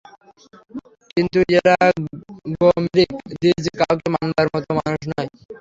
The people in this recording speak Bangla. কিন্তু এরা গো-মৃগ-দ্বিজ কাউকে মানবার মতো মানুষ নয়।